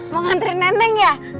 mau ngantri nenek ya